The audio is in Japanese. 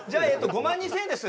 ５万２０００円です